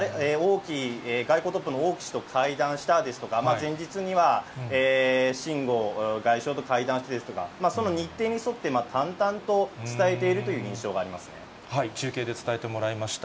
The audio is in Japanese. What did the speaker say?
外交トップの王毅外相と会談したですとか、前日には秦剛外相と会談したですとか、その日程に沿って、淡々と伝えているという印象中継で伝えてもらいました。